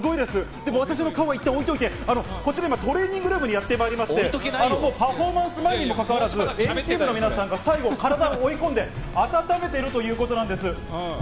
でも私の顔はいったん置いといて、こっちで今、トレーニングルームにやってまいりまして、パフォーマンス前にもかかわらず、＆ＴＥＡＭの皆さんが最後、体を追い込んで、あたためているということなんです。